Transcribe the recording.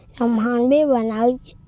trồng hành với bà nội